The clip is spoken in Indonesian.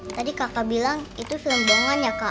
tadi kakak bilang itu film doangan ya kak